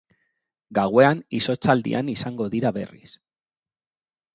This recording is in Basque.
Gauean izotzaldian izango dira berriz.